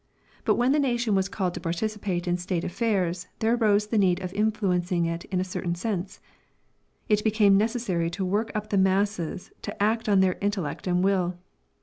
But when the nation was called to participate in state affairs, there arose the need of influencing it in a certain sense. It became necessary to work up the masses, to act on their intellect and will.